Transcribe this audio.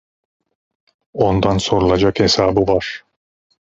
Ondan sorulacak hesabı var.